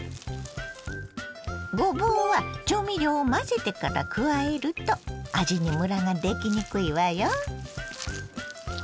ごぼうは調味料を混ぜてから加えると味にムラができにくいわよ。